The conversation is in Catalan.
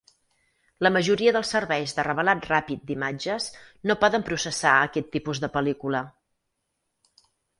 La majoria dels serveis de revelat ràpid d'imatges no poden processar aquest tipus de pel·lícula.